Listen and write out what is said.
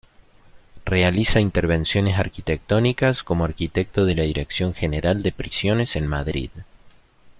Realiza intervenciones arquitectónicas como Arquitecto de la Dirección General de Prisiones en Madrid.